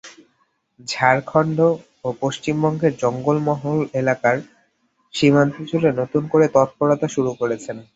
ঝাড়খন্ড ও পশ্চিমবঙ্গের জঙ্গলমহল এলাকার সীমান্তজুড়ে নতুন করে তৎপরতা শুরু করেছেন।